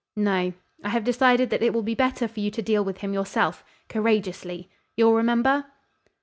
"No. I have decided that it will be better for you to deal with him yourself courageously. You'll remember?"